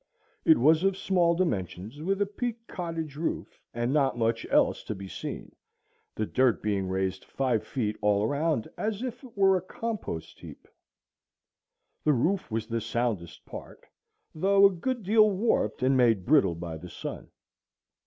It was of small dimensions, with a peaked cottage roof, and not much else to be seen, the dirt being raised five feet all around as if it were a compost heap. The roof was the soundest part, though a good deal warped and made brittle by the sun.